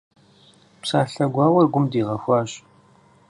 Псалъэ гуауэр гум дигъэхуащ.